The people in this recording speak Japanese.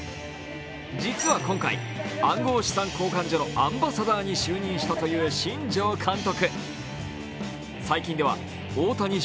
実は今回、暗号資産交換所のアンバサダーに就任したという新庄監督。